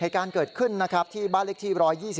เหตุการณ์เกิดขึ้นนะครับที่บ้านเล็กที่๑๒๒